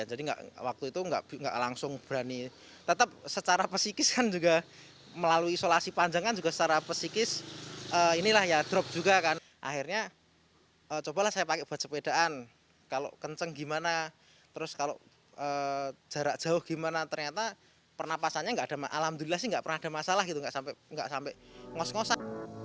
jelas sih gak pernah ada masalah gitu gak sampai ngos ngosan